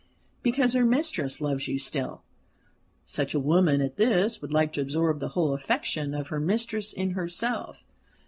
"Because her mistress loves you still. Such a woman as this would like to absorb the whole affection of her mistress in herself.